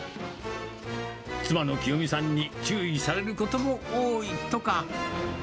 妻の喜代美さんに注意されることも多いとか。